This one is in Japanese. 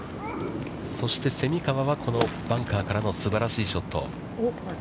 そして、蝉川は、このバンカーからのすばらしいショット。